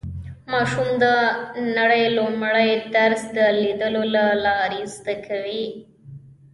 ماشوم د نړۍ لومړی درس د لیدلو له لارې زده کوي